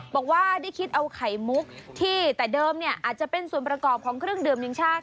บอกว่าได้คิดเอาไข่มุกที่แต่เดิมเนี่ยอาจจะเป็นส่วนประกอบของเครื่องดื่มอย่างชาติ